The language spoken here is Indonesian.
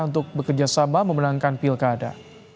untuk bekerjasama memenangkan pilkada